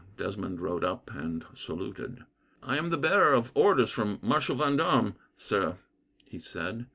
Desmond rode up, and saluted. "I am the bearer of orders from Marshal Vendome, sir," he said.